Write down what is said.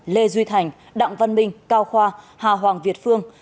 lê duy thành đặng văn minh cao khoa hà hoàng việt phương